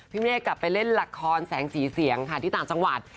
พี่เมฆกลับไปเล่นลักษณ์แสงสีเสียงที่ต่างจังหวัด